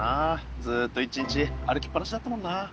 ずっと１日歩きっぱなしだったもんな。